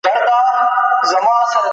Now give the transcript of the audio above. سم نیت ناامیدي نه خپروي.